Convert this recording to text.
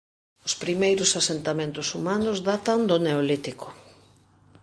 Os primeiros asentamentos humanos datan do Neolítico.